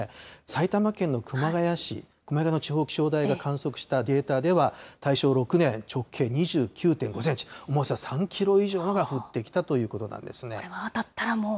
埼玉県の熊谷市、熊谷市の地方気象台が観測したデータでは、大正６年、直径２９．５センチ、重さ３キロ以上のものが降ってきたというここれ、当たったらもう。